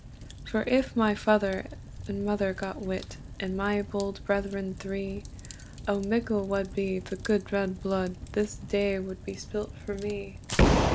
"For if my father and mother got wit, And my bold brethren three, O mickle wad be the gude red blude, This day wad be spilt for me!